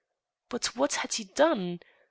But what had he done ?